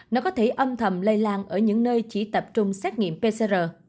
nó có thể âm thầm lây lan ở những nơi chỉ tập trung xét nghiệm pcr